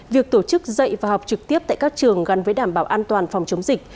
việc tổ chức dạy và học trực tiếp tại các trường gắn với đảm bảo an toàn phòng chống dịch